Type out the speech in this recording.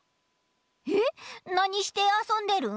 えっなにしてあそんでるん？